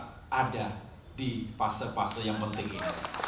kita ada di fase fase yang penting ini